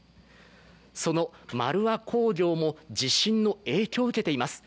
そのまるわ工業も地震の影響を受けています。